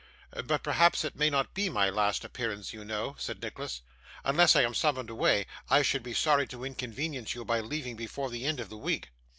'But perhaps it may not be my last appearance, you know,' said Nicholas. 'Unless I am summoned away, I should be sorry to inconvenience you by leaving before the end of the week.